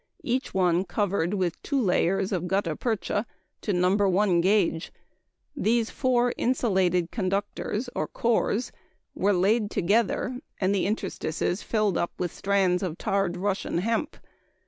each one covered with two layers of gutta percha to No. 1 gage; these four insulated conductors, or "cores," were laid together and the interstices filled up with strands of tarred Russian hemp.